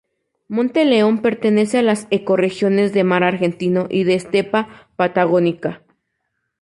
Monte León pertenece a las ecorregiones de mar argentino y de estepa patagónica.